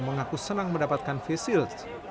menangani keputusan yang telah dilakukan oleh psbb